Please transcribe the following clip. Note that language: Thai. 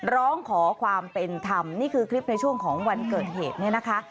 ร้องขอความเป็นธรรมนี่คือคลิปในช่วงของวันเกิดเหตุเนี่ยนะคะ